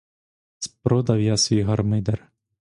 Спродав я свій гармидер.